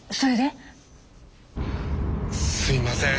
すいません。